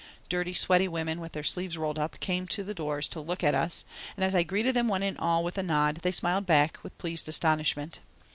Dirty, sweaty women, with their sleeves rolled up, came to the doors to look at us, and as I greeted them one and all with a nod they smiled back with pleased astonishment.